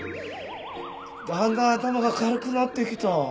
だんだん頭が軽くなってきた。